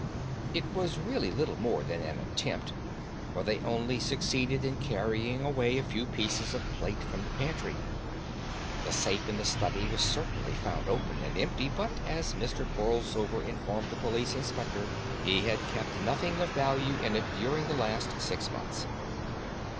It was really little more than an attempt, for they only succeeded in carrying away a few pieces of plate from the pantry. The safe in the study was certainly found open and empty, but, as Mr. Borlsover informed the police inspector, he had kept nothing of value in it during the last six months.